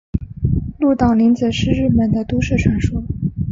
鹿岛零子是日本的都市传说。